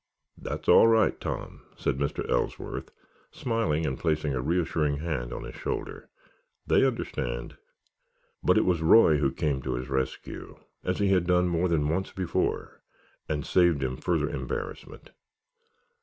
"That's all right, Tom," said Mr. Ellsworth, smiling and placing a reassuring hand on his shoulder. "They understand." But it was Roy who came to his rescue, as he had done more than once before, and saved him further embarrassment.